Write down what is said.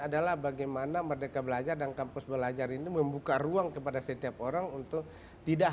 adalah bagaimana merdeka belajar dan kampus belajar ini membuka ruang kepada setiap orang untuk tidak